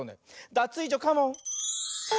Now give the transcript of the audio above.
ダツイージョカモン！